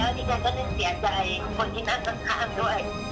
ดิฉันก็นึกเสียใจคนที่นั่งข้างด้วย